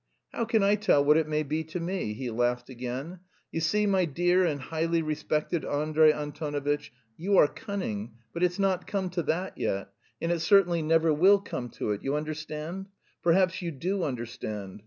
"How can I tell what it may be to me?" He laughed again. "You see, my dear and highly respected Andrey Antonovitch, you are cunning, but it's not come to that yet and it certainly never will come to it, you understand? Perhaps you do understand.